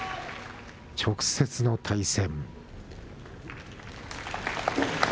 直接の対戦。